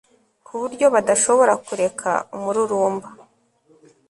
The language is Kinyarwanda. ku buryo badashobora kureka umururumba